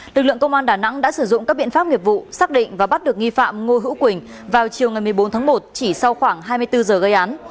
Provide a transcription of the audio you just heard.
lực lượng công an đà nẵng đã sử dụng các biện pháp nghiệp vụ xác định và bắt được nghi phạm ngô hữu quỳnh vào chiều ngày một mươi bốn tháng một chỉ sau khoảng hai mươi bốn giờ gây án